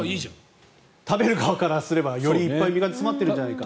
食べる側からすればより身が詰まっているじゃないかと。